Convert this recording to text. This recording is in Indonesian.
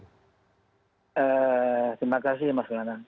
terima kasih mas malona